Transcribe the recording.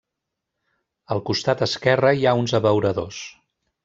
Al costat esquerre hi ha uns abeuradors.